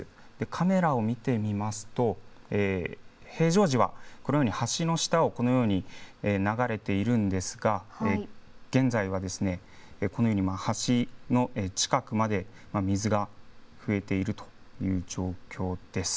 カメラを見てみますと、平常時は、このように橋の下をこのように流れているんですが、現在は、このように橋の近くまで水が増えているという状況です。